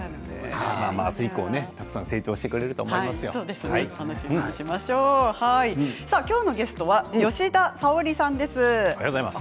あす以降たくさん成長してくれるときょうのゲストは吉田沙保里さんです。